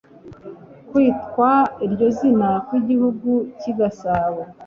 Kwitwa iryo zina kw'Igihugu cy'I Gasabo,